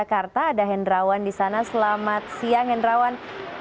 di jakarta ada hendrawan di sana selamat siang hendrawan